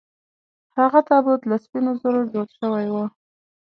هغه تابوت له سپینو زرو جوړ شوی و.